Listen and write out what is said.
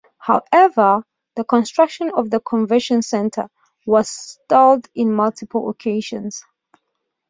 However the construction of the convention center was stalled in multiple occasions.